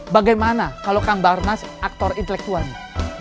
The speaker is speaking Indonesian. bagaimana kalau kang barnas aktor intelektualnya